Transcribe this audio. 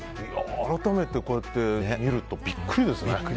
改めて、こうやって見るとビックリですね。